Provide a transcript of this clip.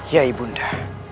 ya ibu nda